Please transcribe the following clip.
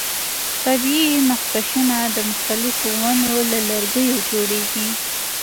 طبیعي مخکشونه د مختلفو ونو له لرګیو جوړیږي.